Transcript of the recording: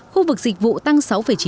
khu vực dịch vụ tăng sáu chín